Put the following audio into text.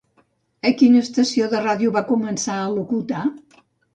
A quina estació de ràdio va començar a locutar?